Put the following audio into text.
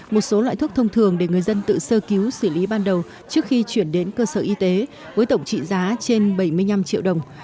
một số loại thuốc thông thường để người dân tự sơ cứu xử lý ban đầu trước khi chuyển đến cơ sở y tế với tổng trị giá trên bảy mươi năm triệu đồng